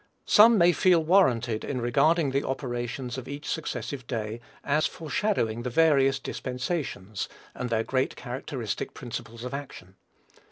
Some may feel warranted in regarding the operations of each successive day, as foreshadowing the various dispensations, and their great characteristic principles of action.